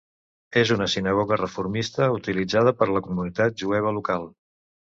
És una sinagoga reformista, utilitzada per la comunitat jueva local.